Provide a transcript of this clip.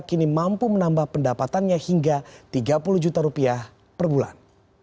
kini mampu menambah pendapatannya hingga tiga puluh juta rupiah per bulan